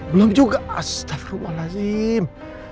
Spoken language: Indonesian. belum juga astagfirullahaladzim